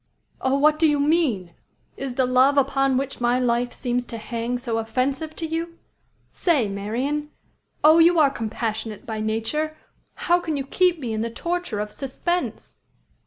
"Oh! what do you mean? Is the love upon which my life seems to hang so offensive to you? Say, Marian! Oh! you are compassionate by nature; how can you keep me in the torture of suspense?"